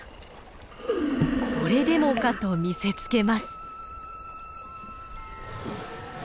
これでもかと見せつけます。